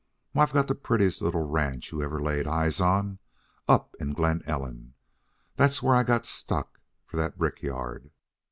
Why, I've got the prettiest little ranch you ever laid eyes on, up in Glen Ellen. That's where I got stuck for that brick yard.